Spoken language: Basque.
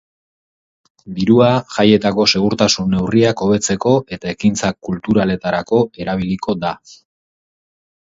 Dirua jaietako segurtasun neurriak hobetzeko eta ekintza kulturaletarako erabiliko da.